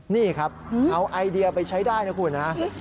นี่ครับเอาไอเดียไปใช้ได้นะคุณฮะ